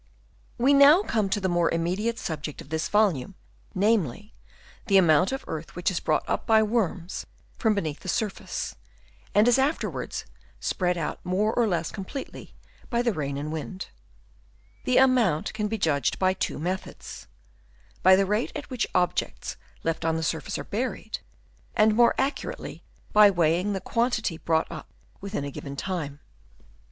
We now come to the more immediate subject of this volume, namely, the amount of earth which is brought up by worms from beneath the surface, and is afterwards spread out more or less completely by the rain and wind. The amount can be judged of by two methods, — by the rate at which objects left on the surface are buried, and more accurately by weighing the quantity brought up within a L 132 AMOUNT OF EARTH Chap. III. given time.